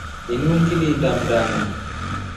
Linu ngilinda Mndana.